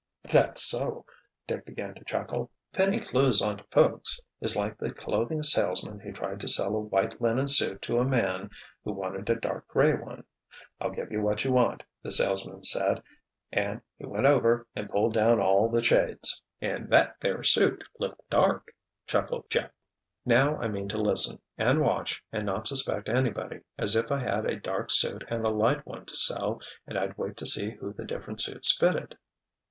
"That's so," Dick began to chuckle. "Pinning clues onto folks is like the clothing salesman who tried to sell a white linen suit to a man who wanted a dark grey one. 'I'll give you what you want,' the salesman said—and he went over and pulled down all the shades!" "And that there suit looked dark!" chuckled Jeff. "Now I mean to listen, and watch, and not suspect anybody, as if I had a dark suit and a light one to sell and I'd wait to see who the different suits fitted!"